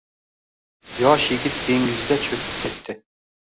Yosh yigit dengizda chõkib ketdi